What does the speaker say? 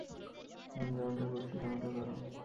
আমি যেমনটা করছি, তেমনটা করো।